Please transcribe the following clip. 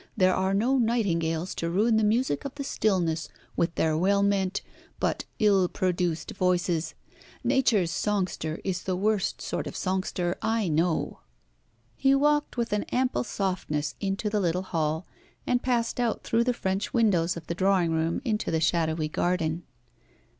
there are no nightingales to ruin the music of the stillness with their well meant but ill produced voices. Nature's songster is the worst sort of songster I know." He walked with an ample softness into the little hall, and passed out through the French windows of the drawing room into the shadowy garden.